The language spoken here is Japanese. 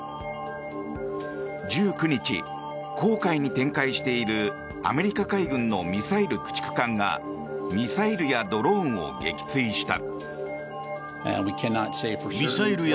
１９日、紅海に展開しているアメリカ海軍のミサイル駆逐艦がミサイルやドローンを撃墜した。